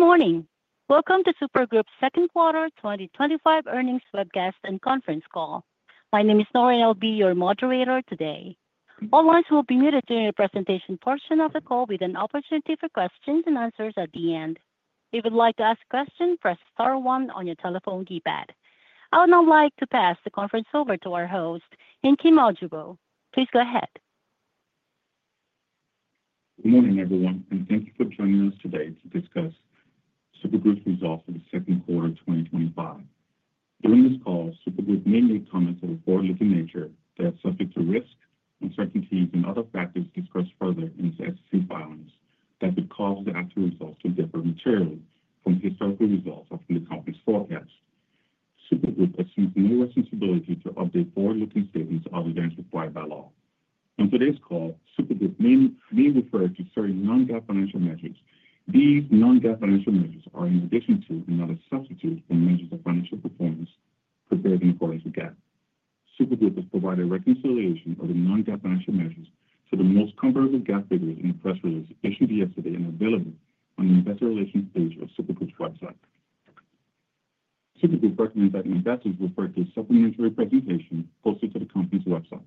Good morning. Welcome to Super Group's Second Quarter 2025 Earnings Webcast and Conference Call. My name is Noreen. I'll be your moderator today. All lines will be muted during the presentation portion of the call, with an opportunity for questions and answers at the end. If you would like to ask a question, press *1 on your telephone keypad. I would now like to pass the conference over to our host, Nkem Ojougboh. Please go ahead. Morning, everyone, and thank you for joining us today to discuss Super Group's Results for the Second Quarter of 2025. During these calls, we would mainly comment on reports of the nature that are subject to risk, uncertainty, and other factors discussed further in the SEC filings that would cause the actual results to differ materially from the historical results [of the company's] forecast. Super Group assumes no responsibility to update forward-looking statements other than required by law. On today's call, Super Group mainly refers to certain non-GAAP financial measures. These non-GAAP financial measures are, in addition to, not a substitute for the measures of financial performance compared to inquiries to GAAP. Super Group has provided reconciliation of the non-GAAP financial measures for the most comparable GAAP figures in the press release issued yesterday in the billing and investor relations page of Super Group's website. Super Group recommends that investors refer to the supplementary presentation posted to the company's website.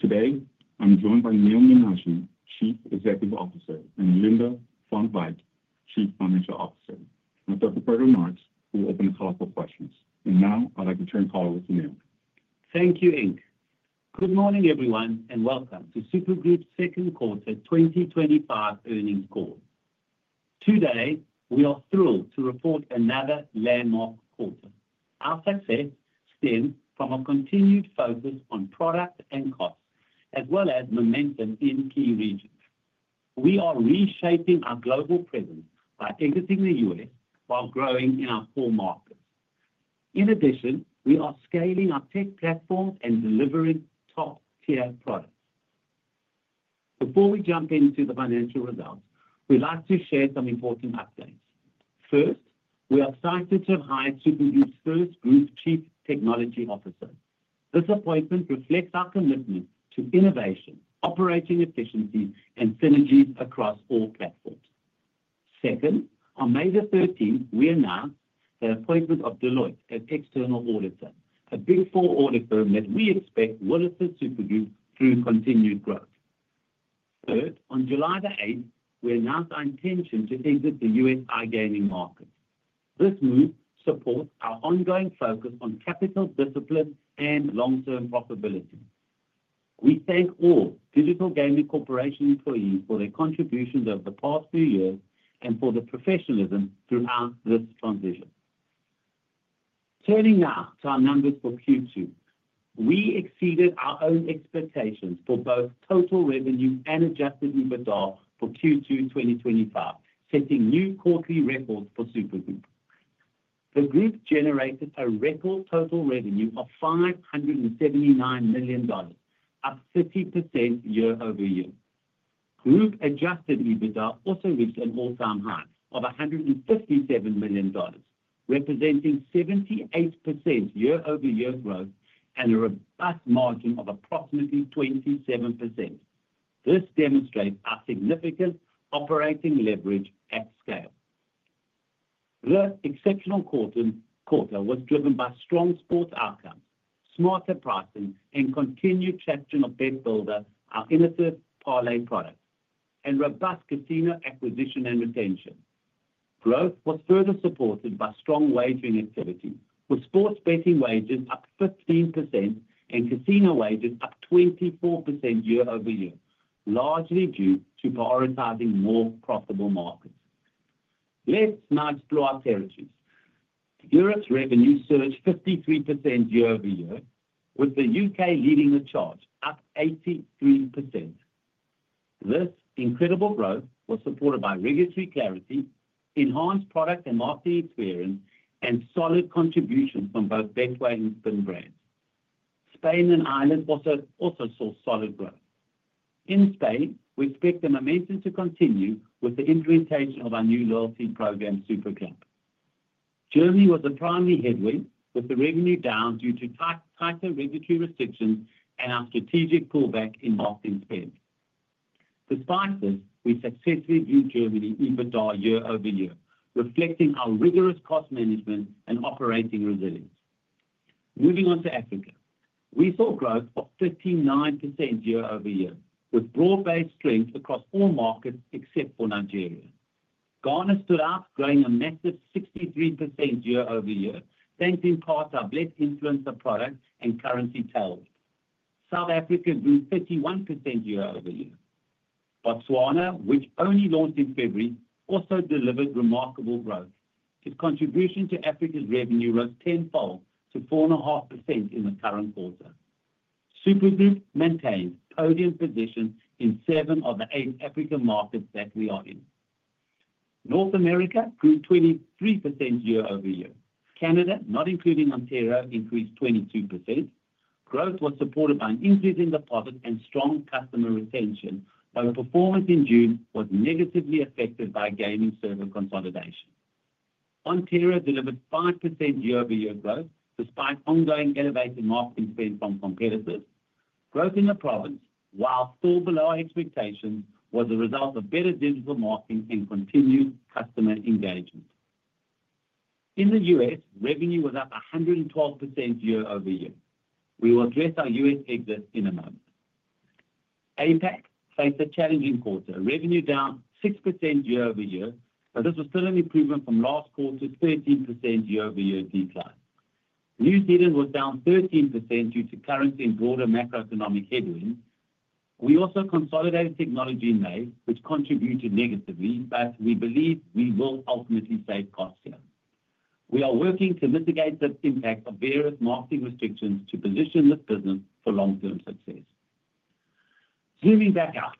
Today, I'm joined by Neal Menashe, Chief Executive Officer, and Alinda Van Wyk, Chief Financial Officer. Without further ado, we will open the call for questions. Now, I'd like to turn the call over to Neal. Thank you. Good morning, everyone, and welcome to Super Group's Second Quarter 2025 Earnings Call. Today, we are thrilled to report another landmark quarter. Our success stems from our continued focus on product and cost, as well as momentum in key regions. We are reshaping our global presence by exiting the U.S. while growing in our core market. In addition, we are scaling our tech platform and delivering top-tier products. Before we jump into the financial results, we'd like to share some important updates. First, we are excited to have hired Super Group's first Group Chief Technology Officer. This appointment reflects our commitment to innovation, operating efficiency, and synergy across all platforms. Second, on May 13th, we announced the appointment of Deloitte as an external auditor, a Big 4 audit firm that we expect will assist Super Group through continued growth. Third, on July 8th, we announced our intention to exit the U.S. iGaming market. This move supports our ongoing focus on capital discipline and long-term profitability. We thank all Digital Gaming Corporation employees for their contributions over the past few years and for their professionalism throughout this transition. Turning now to our numbers for Q2, we exceeded our own expectations for both total revenue and adjusted EBITDA for Q2 2025, setting new quarterly records for Super Group. The group generated a record total revenue of $579 million, up 50% year-over-year. Group adjusted EBITDA also reached an all-time high of $157 million, representing 78% year-over-year growth and a robust margin of approximately 27%. This demonstrates our significant operating leverage at scale. The exceptional quarter was driven by strong sports outcomes, smarter pricing, and continued traction of Bent Builder, our innovative parlaying product, and robust casino acquisition and retention. Growth was further supported by strong wagering activity, with sports betting wagers up 15% and casino wagers up 24% year-over-year, largely due to prioritizing more profitable markets. Let's not blur our territory. Europe's revenue surged 53% year-over-year, with the U.K. leading the charge, up 83%. This incredible growth was supported by regulatory clarity, enhanced product and marketing experience, and solid contributions from both Betway and Spin brands. Spain and Ireland also saw solid growth. In Spain, we expect the momentum to continue with the implementation of our new loyalty program, Supercamp. Germany was a primary headwind, with the revenue down due to tighter regulatory restrictions and our strategic pullback in marketing spend. Despite this, we successfully viewed Germany's EBITDA year-over-year, reflecting our rigorous cost management and operating resilience. Moving on to Africa, we saw growth of 59% year-over-year, with broad-based strength across all markets except for Nigeria. Ghana stood out, growing a massive 63% year-over-year, thanks in part to our blessed influence of products and currency tails. South Africa grew 51% year-over-year. Botswana, which only launched in February, also delivered remarkable growth. Its contribution to Africa's revenue rose tenfold to 4.5% in the current quarter. Super Group maintains a podium position in seven of the eight African markets that we are in. North America grew 23% year-over-year. Canada, not including Ontario, increased 22%. Growth was supported by an increase in deposits and strong customer retention, while the performance in June was negatively affected by gaming server consolidation. Ontario delivered 5% year-over-year growth despite ongoing elevated marketing spend from competitors. Growth in the product, while still below expectations, was a result of better digital marketing and continued customer engagement. In the U.S., revenue was up 112% year-over-year. We will address our U.S. exit in a moment. APAC faced a challenging quarter, revenue down 6% year-over-year, but this was still an improvement from last quarter's 13% year-over-year decline. New Zealand was down 13% due to currency and broader macroeconomic headwinds. We also consolidated technology in May, which contributed negatively, but we believe we will ultimately face cost sharing. We are working to mitigate the impact of various marketing restrictions to position this business for long-term success. Moving back out,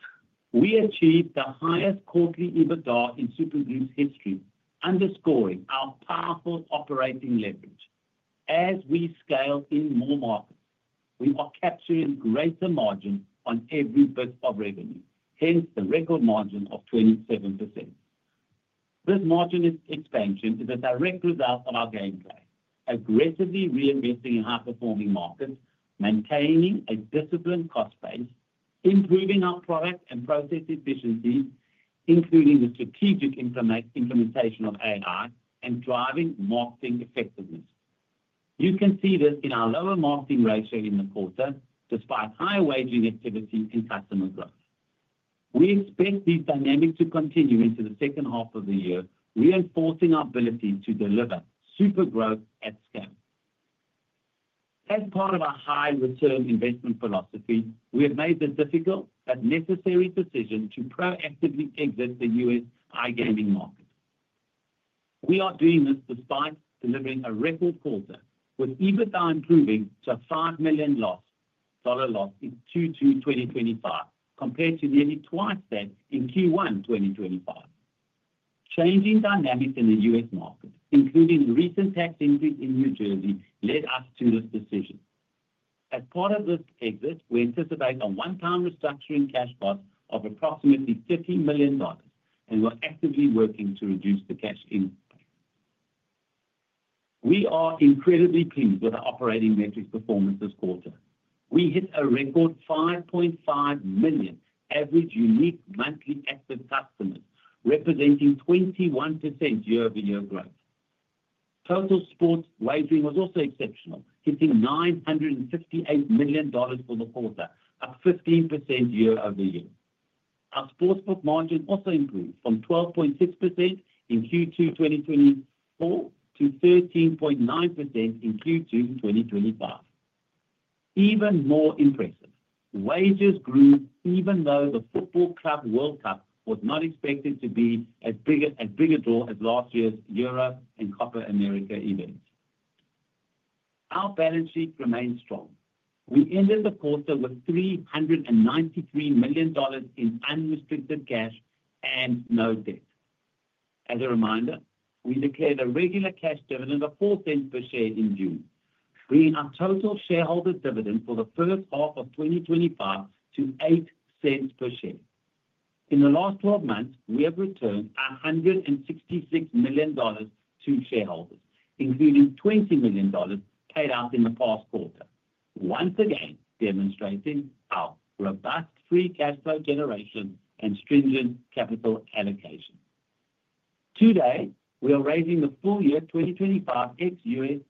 we achieved the highest quarterly EBITDA in Super Group's history, underscoring our powerful operating leverage. As we scaled in more markets, we are capturing greater margins on every boost of revenue, hence the record margin of 27%. This margin expansion is a direct result of our game plan, aggressively reinvesting in high-performing markets, maintaining a disciplined cost base, improving our product and process efficiencies, including the strategic implementation of ANR, and driving marketing effectiveness. You can see this in our lower marketing ratio in the quarter, despite higher wage inequality and customer growth. We expect these dynamics to continue into the second half of the year, reinforcing our ability to deliver super growth at scale. As part of our high-return investment philosophy, we have made the difficult but necessary decision to proactively exit the U.S. iGaming market. We are doing this despite delivering a record quarter with EBITDA improving to a $5 million loss in Q2 2025, compared to nearly twice that in Q1 2025. Changing dynamics in the U.S. market, including the recent tax increase in New Jersey, led us to this decision. As part of this exit, we anticipate a one-time restructuring cash outflow of approximately $50 million and we're actively working to reduce the cash outflow. We are incredibly pleased with our operating metrics performance this quarter. We hit a record 5.5 million average unique monthly active customers, representing 21% year-over-year growth. Total sports wagering was also exceptional, hitting $968 million for the quarter, up 15% year-over-year. Our sportsbook margin also improved from 12.6% in Q2 2024 to 13.9% in Q2 2025. Even more impressive, wagering grew even though the Football Club World Cup was not expected to be as big a draw as last year's Euro and Copa America events. Our balance sheet remains strong. We ended the quarter with $393 million in unrestricted cash and no debt. As a reminder, we declared a regular cash dividend of $0.04 per share in June, bringing our total shareholders' dividend for the first half of 2025 to $0.08 per share. In the last 12 months, we have returned $166 million to shareholders, including $20 million paid out in the past quarter, once again demonstrating our robust free cash flow generation and stringent capital allocation. Today, we are raising the full year 2025 ex-U.S.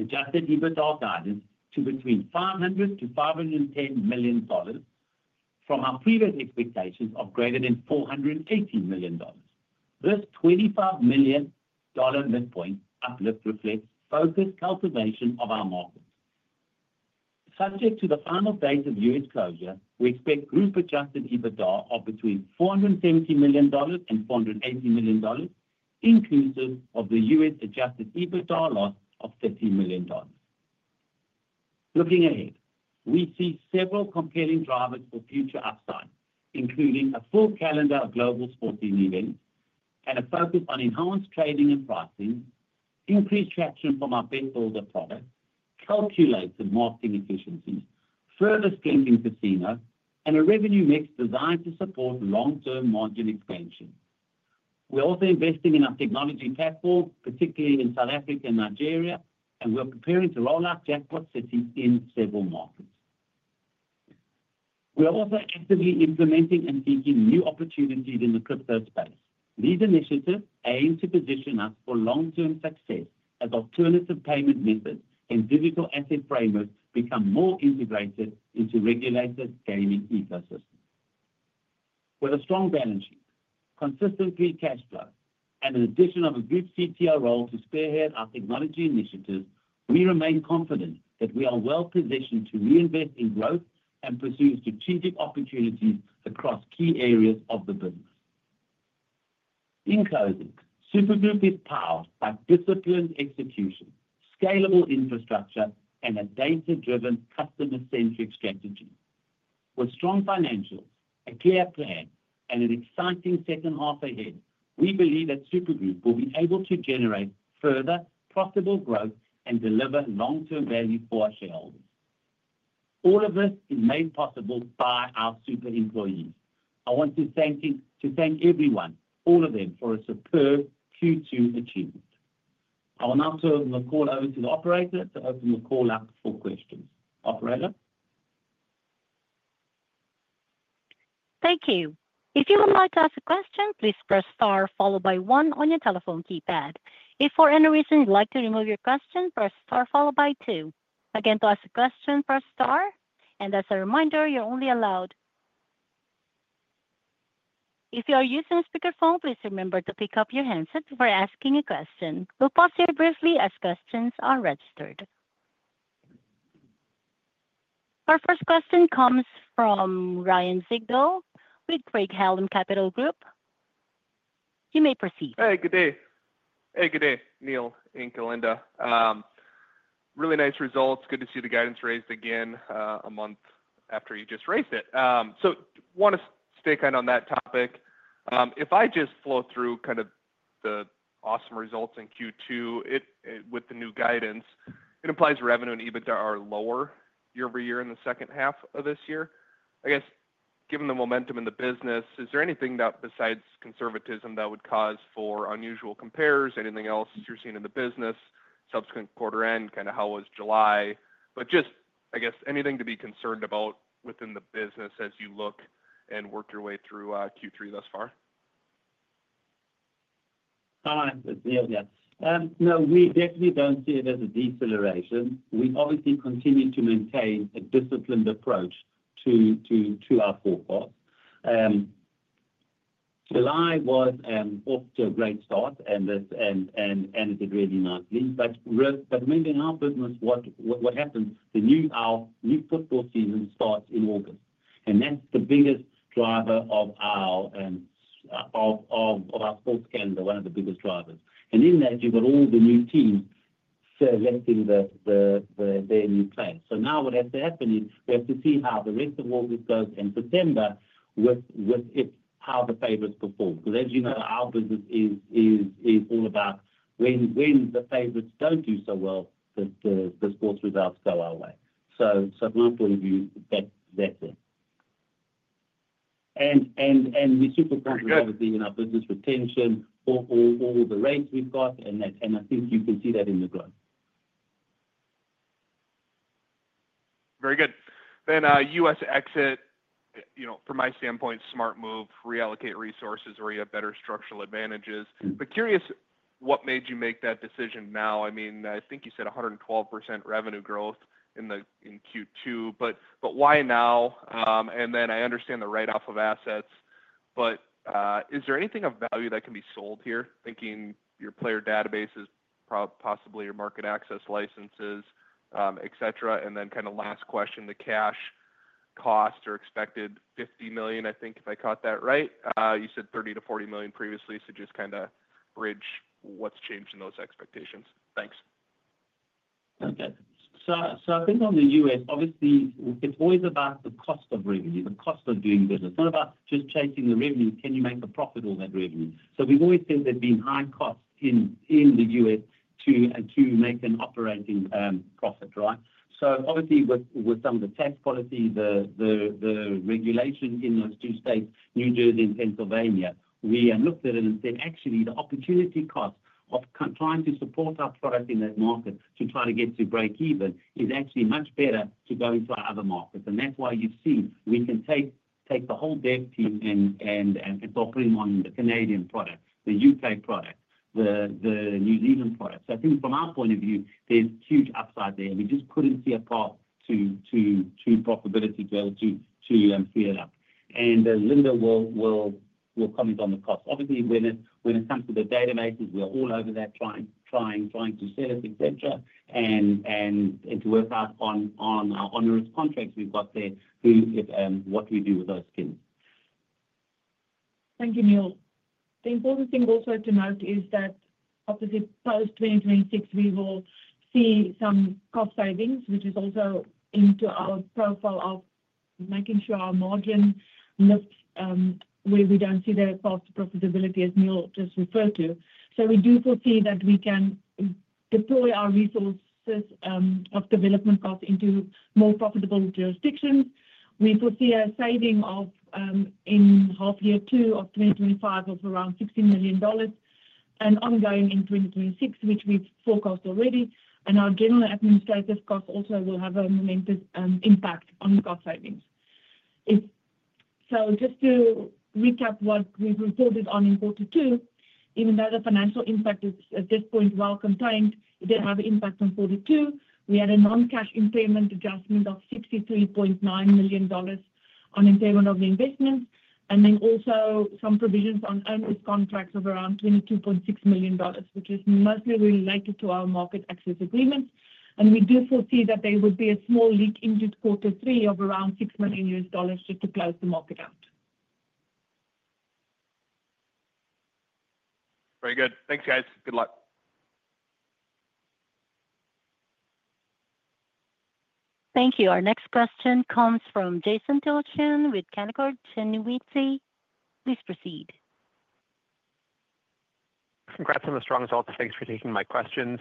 adjusted EBITDA target to between $500 million-$510 million from our previous expectations of greater than $418 million. This $25 million midpoint uplift reflects focused calculation of our market. Subject to the final phase of U.S. closure, we expect group adjusted EBITDA of between $470 million and $480 million, inclusive of the U.S. adjusted EBITDA loss of $50 million. Looking ahead, we see several compelling drivers for future upside, including a full calendar of global sporting events and a focus on enhanced trading and pricing, increased traction from our Bent Builder product, calculated marketing efficiency, further scaling casinos, and a revenue mix designed to support long-term margin expansion. We're also investing in our technology platform, particularly in South Africa and Nigeria, and we're preparing to roll out Jackpot City in several markets. We are also actively implementing and seeking new opportunities in the crypto space. These initiatives aim to position us for long-term success as alternative payment methods and digital asset frameworks become more integrated into regulated gaming ecosystems. With a strong balance sheet, consistent free cash flow, and an addition of a good CTR role to spearhead our technology initiatives, we remain confident that we are well-positioned to reinvest in growth and pursue strategic opportunities across key areas of the business. In closing, Super Group is powered by disciplined execution, scalable infrastructure, and a data-driven, customer-centric strategy. With strong financials, a clear plan, and an exciting second half ahead, we believe that Super Group will be able to generate further profitable growth and deliver long-term value for our shareholders. All of this is made possible by our Super employees. I want to thank everyone, all of them, for a superb Q2 achievement. I will now turn the call over to the operator to open the call up for questions. Operator? Thank you. If you would like to ask a question, please press * followed by 1 on your telephone keypad. If for any reason you'd like to remove your question, press * followed by 2. To ask a question, press *. As a reminder, you're only allowed one question at a time. If you are using a speakerphone, please remember to pick up your headset before asking a question. We'll pause here briefly as questions are registered. Our first question comes from Ryan Sigdahl with Craig-Hallum Capital Group. You may proceed. Hey, good day. Hey, good day, Neal, Nkem, Alinda. Really nice results. Good to see the guidance raised again a month after you just raised it. I want to stay kind of on that topic. If I just flow through kind of the awesome results in Q2, with the new guidance, it implies revenue and EBITDA are lower year over year in the second half of this year. I guess given the momentum in the business, is there anything that, besides conservatism, would cause for unusual compares? Anything else you're seeing in the business subsequent quarter end? How was July? I guess, anything to be concerned about within the business as you look and work your way through Q3 thus far? All right, Neal, yeah. We definitely don't see it as a deceleration. We obviously continue to maintain a disciplined approach to our forecast. July was also a great start, and this ended really nicely. Moving our business, what happened, our new football season starts in August. That's the biggest driver of our sports calendar, one of the biggest drivers. Even as you would, all the new teams serve everything with their new players. Now what has to happen is we have to see how the rest of August goes and September with how the favorites perform. As you know, our business is all about when the favorites don't do so well, the sports results go our way. From our point of view, that's it. We're super comfortable with seeing our business retention or the range we've got. I think you can see that in the growth. Very good. U.S. exit, you know, from my standpoint, smart move, reallocate resources where you have better structural advantages. Curious what made you make that decision now? I mean, I think you said 112% revenue growth in Q2. Why now? I understand the write-off of assets. Is there anything of value that can be sold here? Thinking your player databases, possibly your market access licenses, et cetera. Last question, the cash cost or expected $50 million, I think, if I caught that right. You said $30 million-$40 million previously. Just kind of bridge what's changed in those expectations. Thanks. Okay. I think on the U.S., obviously, it's always about the cost of revenue, the cost of doing business. It's not about just chasing the revenue. Can you make a profit on that revenue? We've always said there's been high costs in the U.S. to make an operating profit, right? Obviously, with some of the tax policy, the regulation in those two states, New Jersey and Pennsylvania, we have looked at it and said, actually, the opportunity cost of trying to support our product in that market to try to get to break even is actually much better to go into other markets. That's why you've seen we can take the whole dev team and focus in on the Canadian product, the U.K. product, the New Zealand product. I think from our point of view, there's huge upside there. We just couldn't see a path to profitability to see it up. Alinda will comment on the cost. Obviously, when it comes to the databases, we're all over there trying to sell it to the benchmark and to work out on our onerous contracts we've got there who, if and what we do with those skins. Thank you, Neal. The important thing also to note is that obviously post 2026, we will see some cost savings, which is also into our profile of making sure our margin lifts where we don't see the cost of profitability as Neal just referred to. We do foresee that we can deploy our resources of development costs into more profitable jurisdictions. We foresee a saving in half year two of 2025 of around $16 million and ongoing in 2026, which we've forecast already. Our general administrative costs also will have an unrelenting impact on cost savings. Just to recap what we've reported on in quarter two, even though the financial impact is at this point well contained, it did have an impact on quarter two. We had a non-cash impairment adjustment of $63.9 million on impairment of the investment. There were also some provisions on earnings contracts of around $22.6 million, which is mostly related to our market access agreements. We do foresee that there would be a small leak in this quarter three of around $6 million just to close the market out. Very good. Thanks, guys. Good luck. Thank you. Our next question comes from Jason Tilchen with Canaccord Genuity. Please proceed. Congrats on the strong results. Thanks for taking my questions.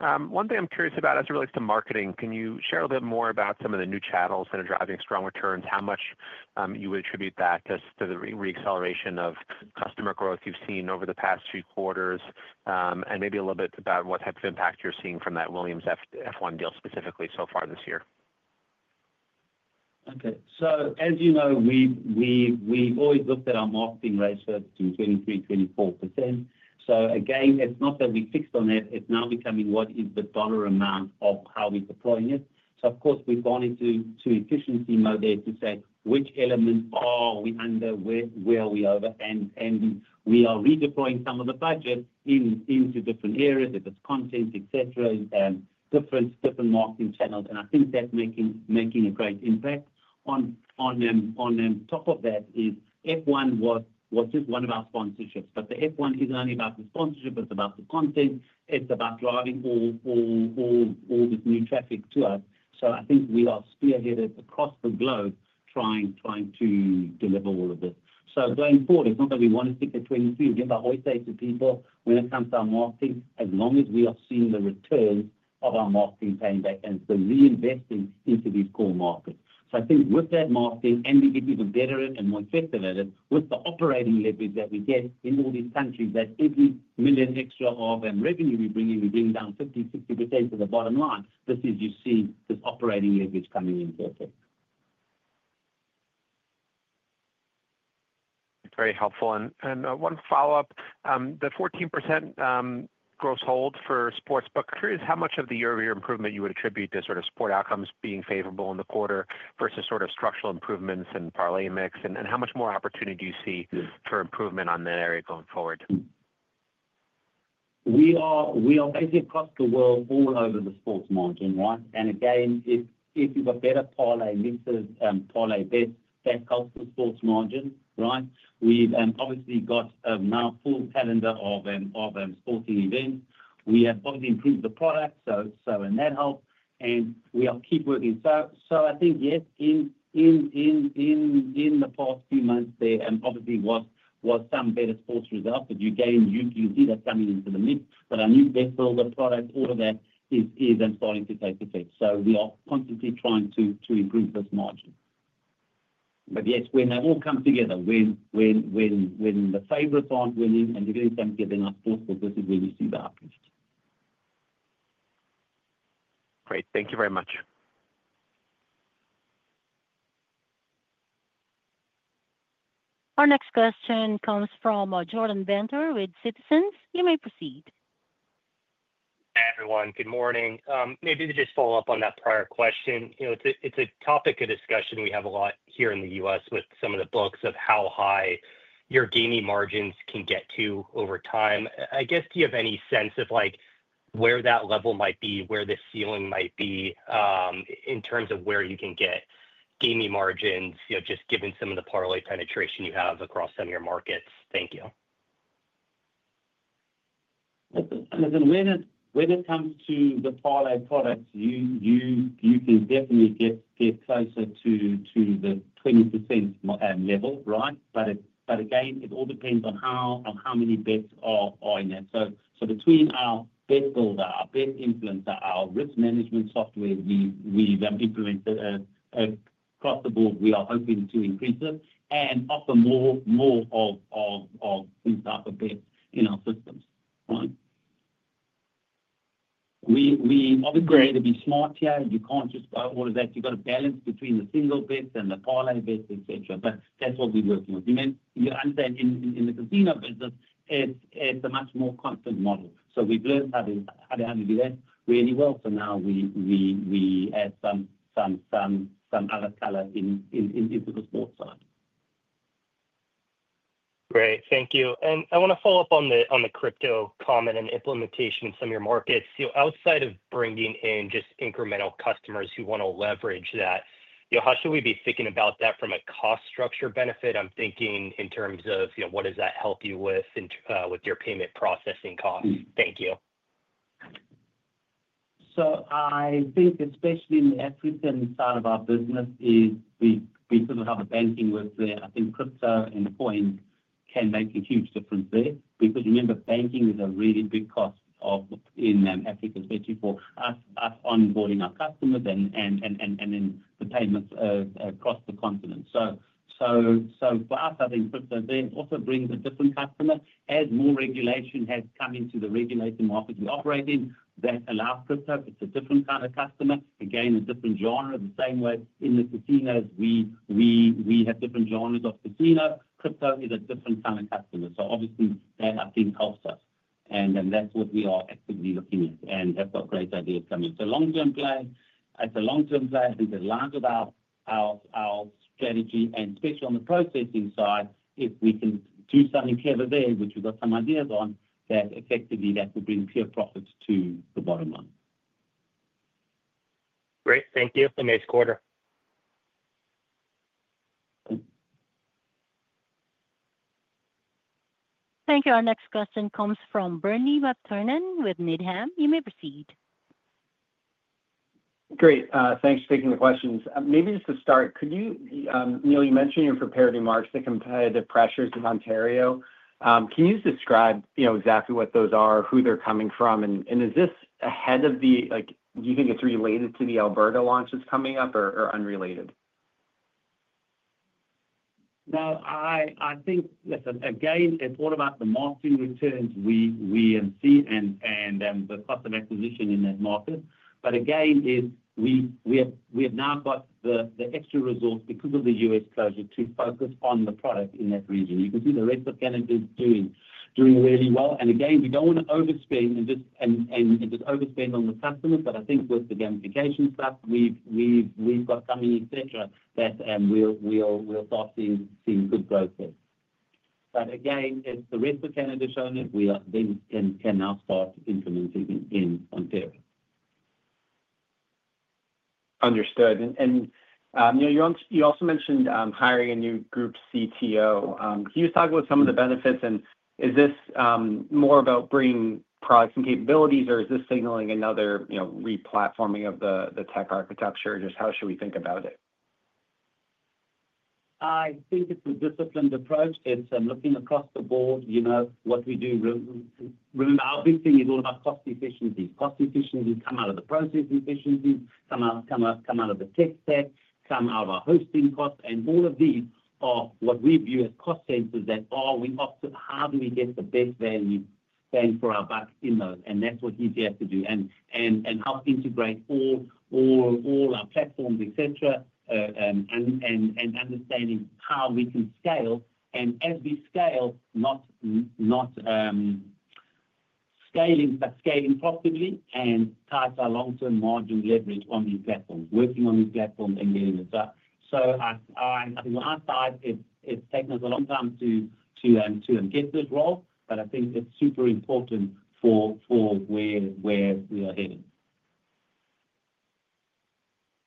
One thing I'm curious about as it relates to marketing, can you share a little bit more about some of the new channels that are driving strong returns, how much you would attribute that to the reacceleration of customer growth you've seen over the past two quarters, and maybe a little bit about what type of impact you're seeing from that Williams F1 deal specifically so far this year? Okay. As you know, we always looked at our marketing rates for 23%, 24%. It's not that we fixed on it. It's now becoming what is the dollar amount of how we're deploying it. Of course, we've gone into efficiency mode there to say which element are we under, where are we over, and we are redeploying some of the budget into different areas, if it's content, etc., and different marketing channels. I think that's making a great impact. On top of that, F1 was just one of our sponsorships. The F1 isn't only about the sponsorship. It's about the content. It's about driving all this new traffic to us. I think we are spearheaded across the globe trying to deliver all of this. Going forward, it's not that we want to stick at 23%. We're going to always say to people, when it comes to our marketing, as long as we have seen the return of our marketing paying back and it's been reinvested into these core markets. I think with that marketing, and we get even better at it and more effective at it, with the operating leverage that we get in all these countries, that every million extra of revenue we bring in, we bring down 50%, 60% to the bottom line. You see this operating leverage coming in perfect. Very helpful. One follow-up, the 14% gross hold for sports, but curious how much of the year-over-year improvement you would attribute to sort of sport outcomes being favorable in the quarter versus sort of structural improvements and parlay mix. How much more opportunity do you see for improvement on that area going forward? We are basically cut to world all over the sports margin, right? If you've got better parlay misses and parlay bets, that helps the sports margin, right? We've obviously got now a full calendar of sporting events. We have obviously improved the product, so that helps. We are keep working. I think, yes, in the past few months, there obviously was some better sports results, but you see that coming into the mix. Our new best over the product, all of that is employing to take effect. We are constantly trying to improve this margin. Yes, when that all comes together, when the favorites aren't winning and everything comes together in our sports, we'll go to where we see the opportunity. Great. Thank you very much. Our next question comes from Jordan Bender with Citizens. You may proceed. Hey, everyone. Good morning. Maybe to just follow up on that prior question, you know it's a topic of discussion we have a lot here in the U.S. with some of the books of how high your gaming margins can get to over time. I guess, do you have any sense of like where that level might be, where this ceiling might be in terms of where you can get gaming margins, you know just given some of the parlay penetration you have across some of your markets? Thank you. I mean, when it comes to the parlay product, you can definitely get closer to the 20% level, right? It all depends on how many bets are in that. Between our Bent Builder, our Bent Influencer, our risk management software that we've implemented across the board, we are hoping to increase them. Often more of things like the bets in our systems, right? We obviously had to be smart here. You can't just buy all of that. You've got to balance between the single bets and the parlay bets, et cetera. That's what we're working on. You understand in the casino business, it's a much more constant model. We've learned how to handle that really well. Now we add some other color into the sports side. Thank you. I want to follow up on the crypto comment and implementation of some of your markets. You know, outside of bringing in just incremental customers who want to leverage that, you know, how should we be thinking about that from a cost structure benefit? I'm thinking in terms of, you know, what does that help you with your payment processing costs? Thank you. I think especially in the African part of our business, we sort of have a banking website. I think crypto and coins can make a huge difference there because the banking is a really big cost in an African country for us onboarding our customers and then the payments across the continent. For us, I think crypto there also brings a different customer. As more regulation has come into the regulated markets we operate in that allows crypto, it's a different kind of customer, again a different genre. The same way in the casinos, we have different genres of casinos. Crypto is a different kind of customer. Obviously, that I think helps us. That's what we are actively looking at and have got great ideas coming up. As a long-term plan, I think the larger part of our strategy and especially on the processing side, if we can do something clever there, which we've got some ideas on, that effectively would bring pure profit to the bottom line. Great. Thank you. Nice quarter. Thank you. Our next question comes from Bernie McTernan with Needham. You may proceed. Great. Thanks for taking the questions. Maybe just to start, could you, Neal, you mentioned in your prepared remarks the competitive pressures to Ontario. Can you just describe exactly what those are, who they're coming from? Is this ahead of the, like, do you think it's related to the Alberta launches coming up or unrelated? Now, I think it's all about the marketing returns we see and the cost of acquisition in that market. We have now got the extra resource because of the U.S. closure to focus on the product in that region. You can see the rest of Canada is doing really well. We don't want to overspend and we can just overspend on the customer. I think with the gamification stuff, we've got something, et cetera, that we'll start seeing good growth there. As the rest of Canada has shown it, we can now start implementing in Ontario. Understood. Neal, you also mentioned hiring a new group CTO. Can you talk about some of the benefits? Is this more about bringing products and capabilities, or is this signaling another replatforming of the tech architecture? Just how should we think about it? I think it's a disciplined approach. I'm looking across the board, you know what we do. I think we roll out cost efficiency. Cost efficiencies come out of the processing efficiencies, come out of the test set, come out of our hosting costs. All of these are what we view as cost savings that are we have to how do we get the best value bang for our buck in those? That's what EGF could do, and how to integrate all our platforms, et cetera, and understanding how we can scale. As we scale, not scaling, but scaling properly and cast our long-term margin leverage on new platforms, working on new platforms and leading us up. I think on our side, it's taken us a long time to get to that role, but I think it's super important for where we are living.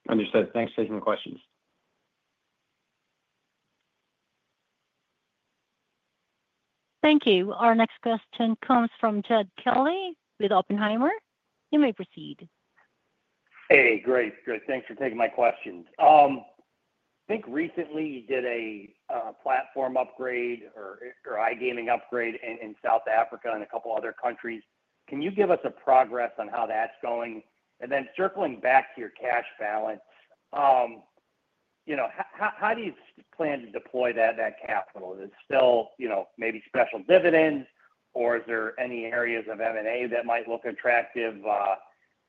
Understood. Thanks for taking the questions. Thank you. Our next question comes from Jed Kelly with Oppenheimer. You may proceed. Hey, Great. Thanks for taking my questions. I think recently you did a platform upgrade or iGaming upgrade in South Africa and a couple of other countries. Can you give us a progress on how that's going? Circling back to your cash balance, you know how do you plan to deploy that capital? Is it still, you know, maybe special dividends, or is there any areas of M&A that might look attractive,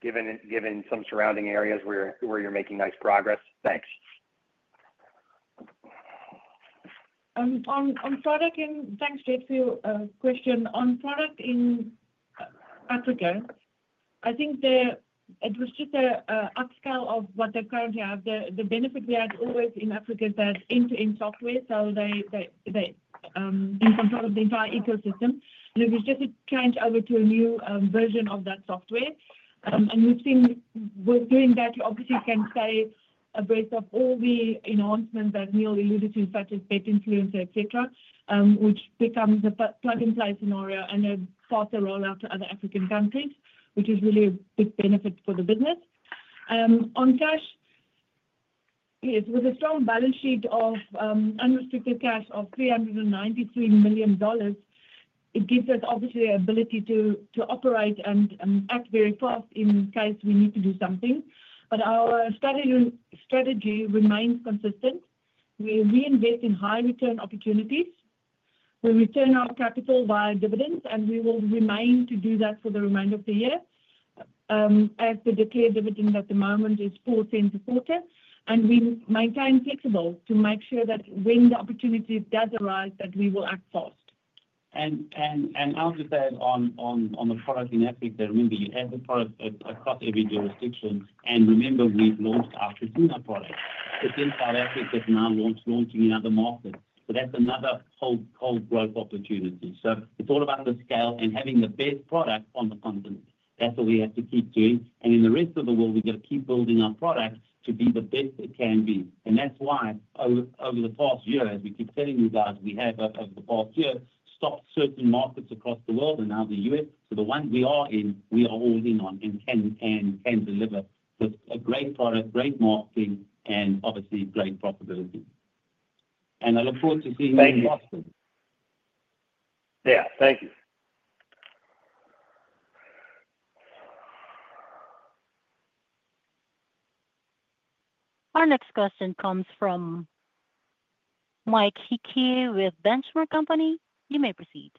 given some surrounding areas where you're making nice progress? Thanks. On product in Africa, I think there it was just an upscale of what they currently have. The benefit we had always in Africa is that it's end-to-end software, so they're in control of the entire ecosystem. It was just a change over to a new version of that software. We've seen with doing that, obviously, you can say based off all the announcements that Neal alluded to, such as Bent Builder, et cetera, which becomes a plug-and-play scenario and a faster rollout to other African countries, which is really a big benefit for the business. On cash, yes, with a strong balance sheet of unrestricted cash of $393 million, it gives us obviously the ability to operate and act very fast in case we need to do something. Our strategy remains consistent. We invest in high-return opportunities where we turn up capital via dividends, and we will remain to do that for the remainder of the year. As the decay of dividends at the moment is poor since the quarter, we maintain flexible to make sure that when the opportunity does arise, we will act fast. After that, on the product in Africa, there will be other products across every jurisdiction. Remember, we've launched our casino product. The same product Africa is now launching in other markets. That's another whole growth opportunity. It's all about the scale and having the best product on the continent. That's what we have to keep doing. In the rest of the world, we've got to keep building our product to be the best it can be. That's why over the past year, as we keep telling you guys, we have over the past year stopped certain markets across the world and now the U.S. The ones we are in, we are holding on and deliver a great product, great marketing, and obviously great profitability. I look forward to seeing you in Boston. Thank you. Our next question comes from Mike Hickey with Benchmark Company. You may proceed.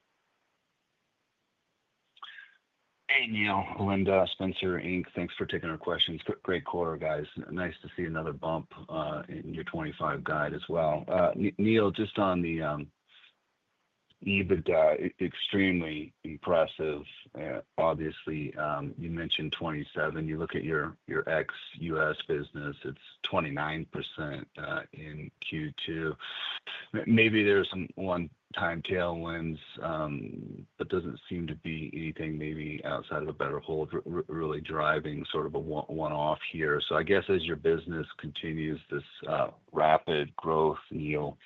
Hey, Neal, Alinda, Spencer, Inc. Thanks for taking our questions. Great quarter, guys. Nice to see another bump in your 25% guide as well. Neal, just on the EBITDA, extremely impressive. Obviously, you mentioned 27%. You look at your ex-U.S. business, it's 29% in Q2. Maybe there's some one-time tailwinds, but doesn't seem to be anything maybe outside of a better hold really driving sort of a one-off here. I guess as your business continues this rapid growth, Neal,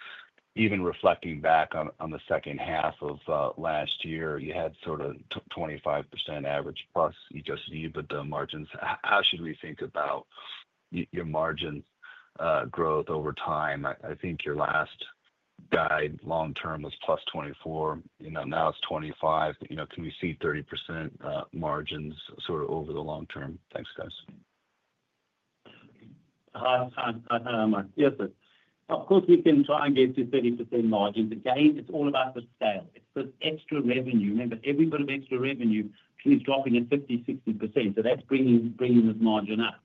even reflecting back on the second half of last year, you had sort of 25% average plus you just needed with the margins. How should we think about your margin growth over time? I think your last guide long-term was plus 24%. You know now it's 25%. You know can we see 30% margins sort of over the long-term? Thanks, guys. Yes, of course, we can try and get to 30% margin. Again, it's all about the scale. It's the extra revenue. Remember, every bit of extra revenue is dropping at 50%, 60%. That's bringing this margin up.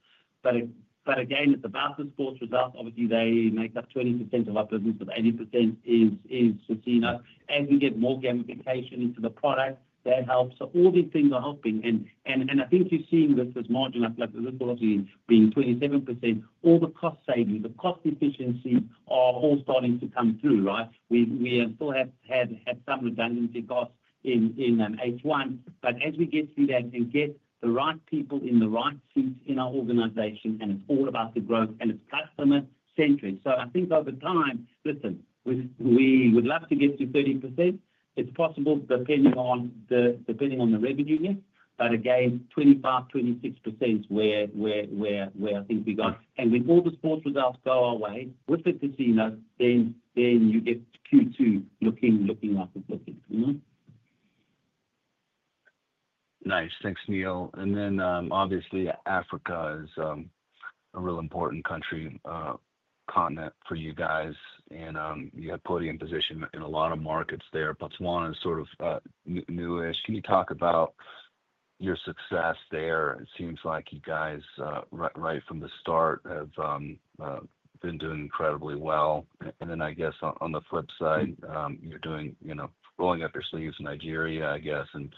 Again, it's about the sports results. Obviously, they make up 20% of our business. The 80% is casinos. As we get more gamification into the product, that helps. All these things are helping. I think you're seeing this as margin up, like the Liverpool obviously being 27%. All the cost savings, the cost efficiency are all starting to come through, right? We still have had some redundancy costs in H1. As we get through that and get the right people in our organization, it's all about the growth and it's customer-centric. I think over time, we would love to get to 30%. It's possible depending on the revenue, yes. Again, 25%, 26% is where I think we go. With all the sports results go away with the casinos, then you get Q2 looking like a good thing. Nice. Thanks, Neal. Obviously, Africa is a really important continent for you guys, and you had a podium position in a lot of markets there. Botswana is sort of newish. Can you talk about your success there? It seems like you guys right from the start have been doing incredibly well. I guess on the flip side, you're rolling up your sleeves in Nigeria, I guess, and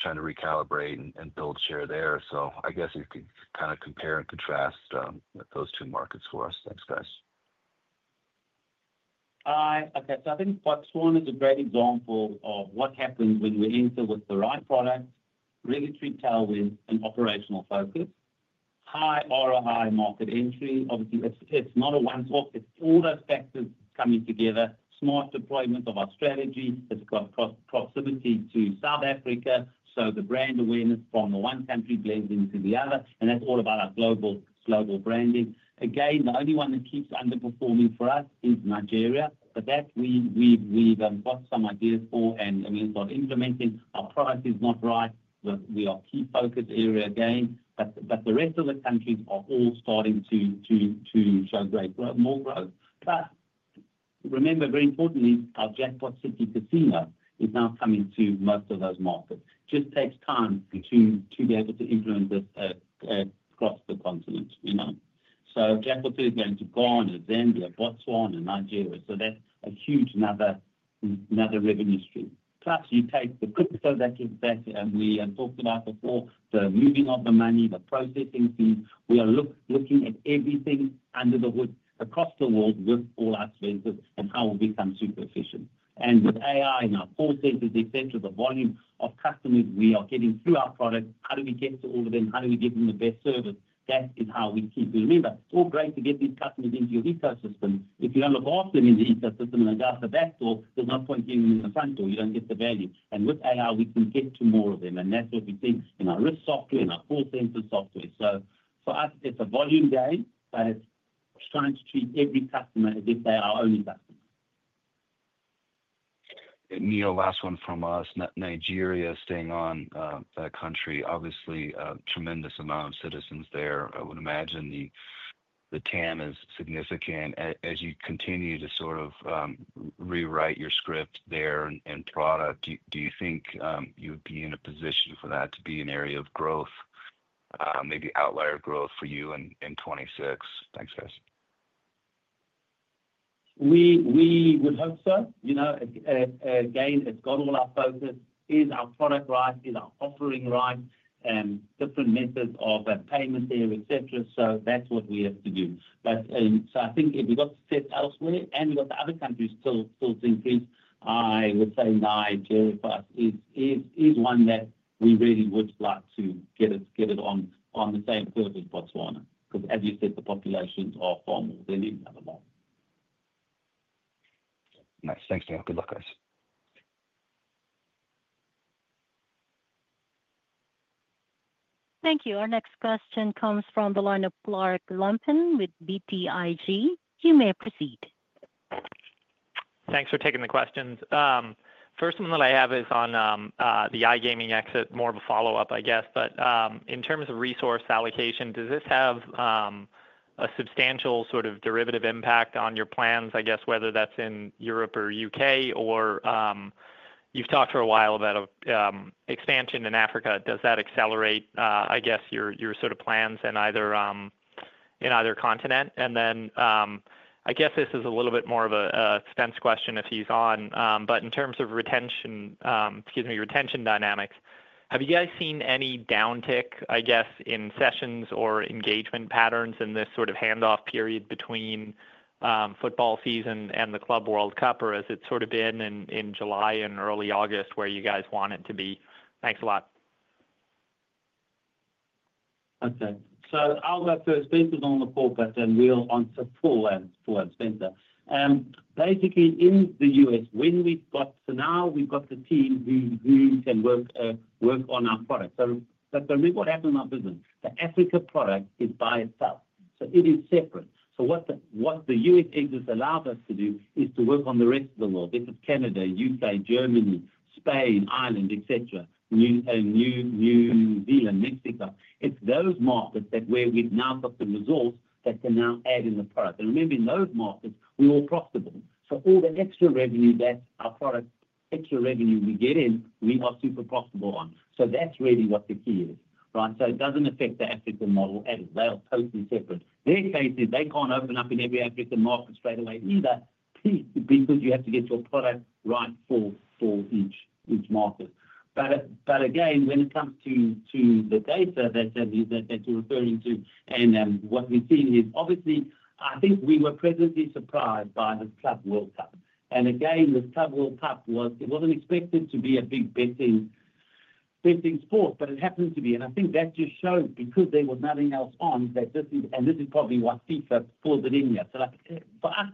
trying to recalibrate and build share there. I guess you could kind of compare and contrast those two markets for us. Thanks, guys. Okay. I think Botswana is a very good example of what happens when you enter with the right product, really true tailwind and operational focus. High aura, high market entry. Obviously, it's not a one-off. It's all aspects coming together. Smart deployment of our strategy. It's got proximity to South Africa, so the brand awareness from the one country blends into the other. That's all about our global branding. Again, the only one that keeps underperforming for us is Nigeria. We've got some ideas for that, and it's got to be implemented. Our product is not right. We are key focus area again. The rest of the countries are all starting to show great growth, more growth. Remember, very importantly, our Jackpot City Casino is now coming through most of those markets. It just takes time to be able to influence this across the continent. Jackpot City is going to Ghana, Zambia, Botswana, Nigeria. That's a huge, another revenue stream. Plus, you take the crypto that we talked about before, the moving of the money, the processing fees. We are looking at everything under the hood across the world with all our spenders and how we become super efficient. With AI in our process, it's essential, the volume of customers we are getting through our product. How do we get to all of them? How do we give them the best service? That is how we keep. Remember, it's all great to get these customers into your ecosystem. If you don't love Austin in the ecosystem and I go for that store, there's no point giving them a phone call. You don't get the value. With AI, we can get to more of them. That's what we think in our risk software, in our core sensor software. For us, it's a volume game, but it's trying to treat every customer as if they are our only customer. Neal, last one from us. Nigeria, staying on that country, obviously, a tremendous amount of citizens there. I would imagine the TAM is significant. As you continue to sort of rewrite your script there and product, do you think you'd be in a position for that to be an area of growth, maybe outlier growth for you in 2026? Thanks, guys. We would hope so. You know, it's got all our focus. Is our product right? Is our offering right? Different methods of payment here, et cetera. That's what we have to do. I think if we got to sit elsewhere and we got to other countries, still think this. I would say Nigeria is one that we really would like to get it on the same surface in Botswana because, as you said, the populations are far more. They live in other markets. Nice. Thanks, Neal. Good luck, guys. Thank you. Our next question comes from the line of Clark Lumpen with BTIG. You may proceed. Thanks for taking the questions. First one that I have is on the iGaming exit, more of a follow-up, I guess. In terms of resource allocation, does this have a substantial sort of derivative impact on your plans, whether that's in Europe or U.K.? You've talked for a while about expansion in Africa. Does that accelerate your sort of plans in either continent? This is a little bit more of an expense question if he's on. In terms of retention, excuse me, retention dynamics, have you guys seen any downtick in sessions or engagement patterns in this sort of handoff period between football season and the Club World Cup? Or has it been in July and early August where you guys want it to be? Thanks a lot. Okay. I'll go first. Basically, on the fourth, and then Neal on the fourth, Spencer. Basically, in the U.S., when we've got. Now we've got the team who can work on our product. Remember what happened in our business. The Africa product is by itself. It is separate. What the U.S. agents allowed us to do is to work on the rest of the world. Think of Canada, U.K., Germany, Spain, Ireland, New Zealand, Mexico. It's those markets where we've now got the results that can now add in the product. In those markets, we were profitable. All that extra revenue that our product, extra revenue we get in, we are super profitable on. That's really what the key is, right? It doesn't affect the Africa model as well. Totally separate. Their cases, they can't open up in every African market straight away either. It's because you have to get your product right for each market. When it comes to the data that you're referring to, and what we've seen is obviously, I think we were pleasantly surprised by the Club World Cup. The Club World Cup wasn't expected to be a big betting sport, but it happened to be. I think that just showed because there was nothing else on that this is, and this is probably why FIFA pulled it in yet. For us,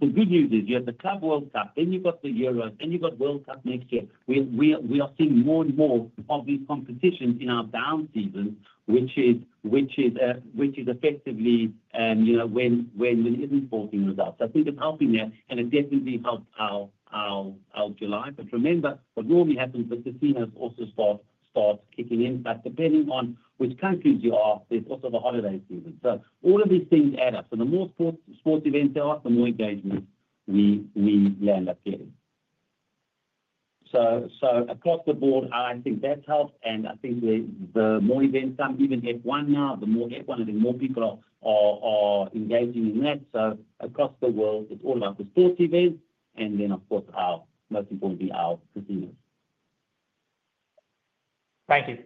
the good news is you have the Club World Cup, you've got the Euros, and you've got World Cup next year. We are seeing more and more of these competitions in our down season, which is effectively when there isn't ballgame results. I think it's helping there, and it definitely helps our July. Remember, what normally happens with casinos also starts kicking in. Depending on which countries you are, there's also the holiday season. All of these things add up. The more sports events there are, the more engagement we land up here. Across the board, I think that helps. I think the more events come, even get one now, the more get one, I think more people are engaging in that. Across the world, it's all about the sports events. Of course, our most important will be our Casinos. Thank you.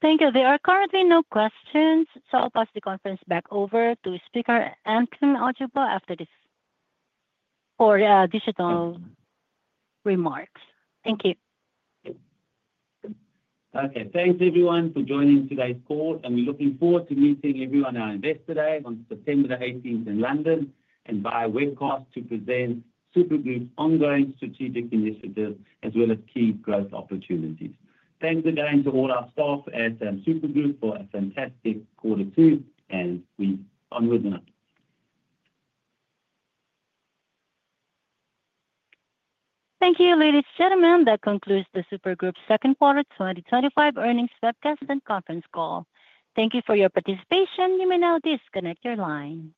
Thank you. There are currently no questions, so I'll pass the conference back over to Nkem Ojougboh after this for digital remarks. Thank you. Okay. Thanks, everyone, for joining today's call. We're looking forward to meeting everyone yesterday on September 18th in London and via webcast to present Super Group's ongoing strategic initiatives as well as key growth opportunities. Thanks again to all our staff at Super Group for a fantastic quarter two, and we're on with another. Thank you, ladies and gentlemen. That concludes Super Group's Second Quarter 2025 Earnings Webcast and Conference Call. Thank you for your participation. You may now disconnect your line.